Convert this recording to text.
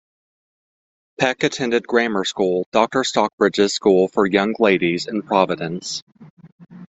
Peck attended grammar school, Doctor Stockbridge's School for Young Ladies, in Providence.